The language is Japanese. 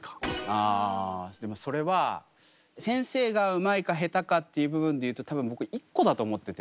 あでもそれは先生がうまいかへたかっていう部分でいうと多分僕一個だと思ってて。